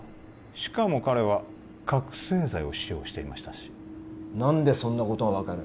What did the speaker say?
しかも彼は覚せい剤を使用していましたし・何でそんなことが分かる？